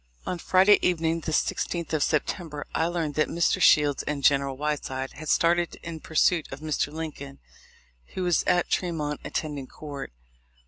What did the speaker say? On Friday evening, the 16th of September, I learned that Mr. Shields and General Whiteside had started in pursuit of Mr. Lincoln, who was at Tre mont, attending court.